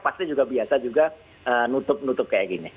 pasti juga biasa juga nutup nutup kayak gini